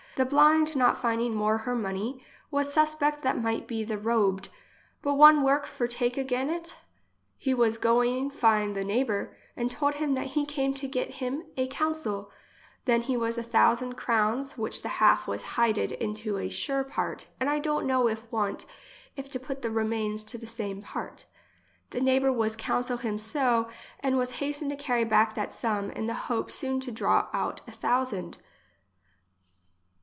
The blind not finding more her money, was suspect that might be the robed, but one work for take again it? He was going find the neighbour, and told him that he came to get him a coun cil ; than he was a thousand crowns which the half was hided into a sure part and I don't know if want, if to put the remains to the same part* The neighbour was council him so and was liasten to carry back that sum, in the hope soon to draw out a thousand.